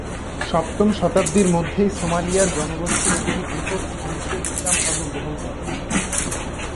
সপ্তম শতাব্দীর মধ্যেই সোমালিয়ার জনগোষ্ঠীর একটি বৃহৎ অংশ ইসলাম ধর্ম গ্রহণ করে।